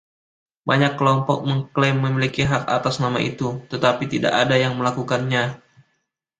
Banyak kelompok mengklaim memiliki hak atas nama itu, tetapi tidak ada yang melakukannya.